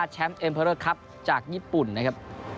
แชมป์เอ็มเพอร์เลอร์ครับจากญี่ปุ่นนะครับ